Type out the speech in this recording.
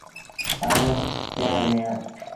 آئوٚݩ پيآر ميݩ اهآݩ ۔